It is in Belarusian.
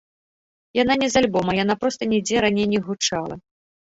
Яна не з альбома, яна проста нідзе раней не гучала.